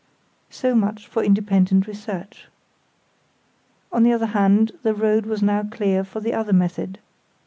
So much for independent research. On the other hand the road was now clear for the other method.